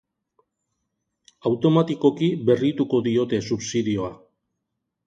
Automatikoki berrituko diote subsidioa.